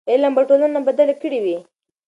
علم به ټولنه بدله کړې وي.